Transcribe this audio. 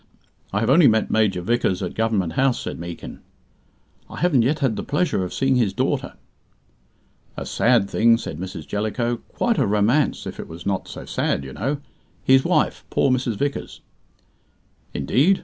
"I have only met Major Vickers at Government House," said Meekin. "I haven't yet had the pleasure of seeing his daughter." "A sad thing," said Mrs. Jellicoe. "Quite a romance, if it was not so sad, you know. His wife, poor Mrs. Vickers." "Indeed!